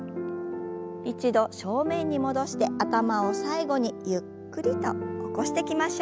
一度正面に戻して頭を最後にゆっくりと起こしてきましょう。